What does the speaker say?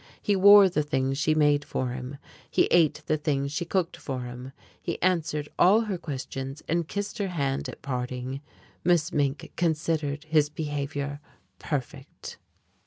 He wore the things she made for him, he ate the things she cooked for him, he answered all her questions and kissed her hand at parting. Miss Mink considered his behavior perfect.